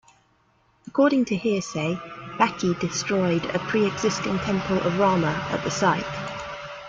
According to hearsay, Baqi destroyed a pre-existing temple of Rama at the site.